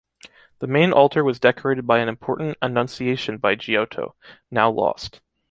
The main altar was decorated by an important “Annunciation” by Giotto, now lost.